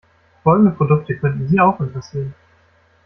Folgende Produkte könnten Sie auch interessieren.